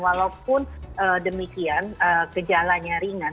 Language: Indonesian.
walaupun demikian gejalanya ringan